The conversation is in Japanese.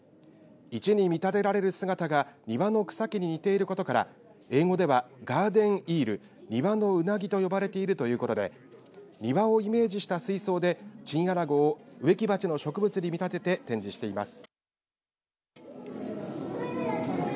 １に見立てられる姿が庭の草木に似ていることから英語では、ガーデンイール庭のうなぎと呼ばれているということで庭をイメージした水槽でチンアナゴを植木鉢の植物に見立てて展示しています。